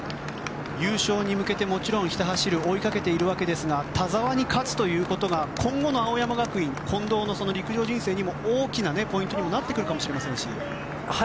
優勝に向けてもちろん走る追いかけているわけですが田澤に勝つということが今後の青山学院近藤の陸上人生にも大きなポイントになってくるかもしれませんし。